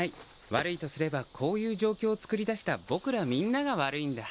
悪いとすればこういう状況をつくり出した僕らみんなが悪いんだ。